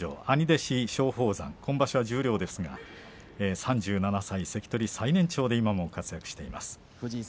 兄弟子、松鳳山は今場所の十両ですが３７歳、関取最年長で今も活躍しています。